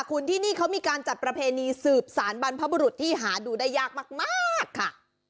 คุณที่นี่เขามีการจัดประเพณีสืบสารบรรพบุรุษที่หาดูได้ยากมากค่ะ